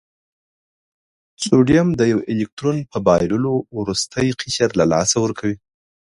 سوډیم د یو الکترون په بایللو وروستی قشر له لاسه ورکوي.